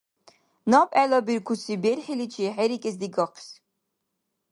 Наб гӀелабиркуси берхӀиличи хӀерикӀес дигахъис.